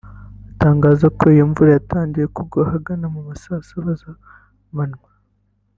atangaza ko iyo mvura yatangiye kugwa ahagana mu ma saa saba z’amanywa